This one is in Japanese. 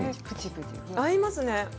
合いますね。